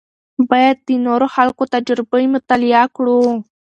باید د نورو خلکو تجربې مطالعه کړو.